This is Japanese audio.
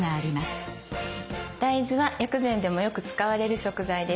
大豆は薬膳でもよく使われる食材です。